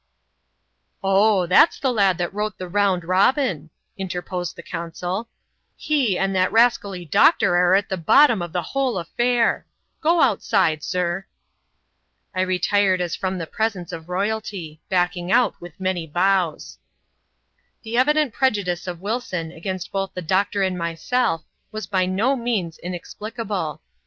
Oh, that's the lad that wrote the Round Robin," interposed the ooasuL ^ He and that rascally doctor are at the bottom of the wiiole afiair — go outside, sir." I ledzed as from the presence of royalty ; backing out with many bows. The evid^it prejudice of Wilson against both the doctor and jHiyBel^ was by no means inexplicable.